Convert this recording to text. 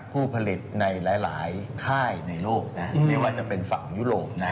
ผู้ผลิตในหลายค่ายในโลกนะไม่ว่าจะเป็นฝั่งยุโรปนะ